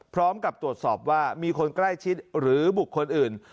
พร้อมกับตรวจสอบว่ามีคนใกล้ชิดหรือบุคคลอื่น